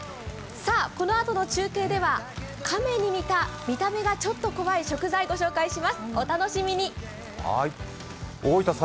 このあとの中継ではカメに似た見た目がちょっと怖い食材をご紹介します。